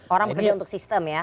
orang bekerja untuk sistem ya